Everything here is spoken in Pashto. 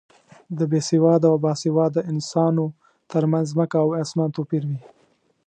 د بې سواده او با سواده انسانو تر منځ ځمکه او اسمان توپیر وي.